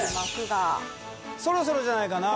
そろそろじゃないかな。